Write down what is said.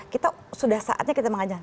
kita sudah saatnya kita mengajar